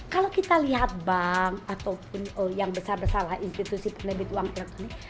kalau kita lihat bank ataupun yang besar besar lah institusi penerbit uang elektronik